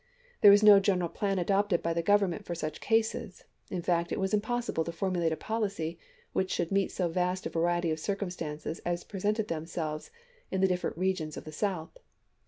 There was no general plan adopted by the Govern ment for such cases ; in fact, it was impossible to formulate a policy which should meet so vast a variety of circumstances as presented themselves in the different regions of the South.